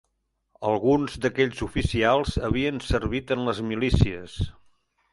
Alguns d'aquells oficials havien servit en les milícies